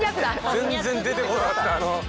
全然出てこなかった。